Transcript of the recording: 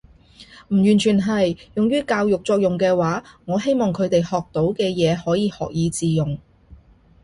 唔完全係。用於教育作用嘅話，我希望佢哋學到嘅嘢可以學以致用